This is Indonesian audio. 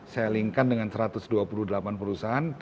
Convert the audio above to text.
saya linkan dengan satu ratus dua puluh delapan perusahaan